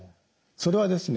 それはですね